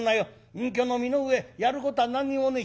隠居の身の上やることは何にもねえ。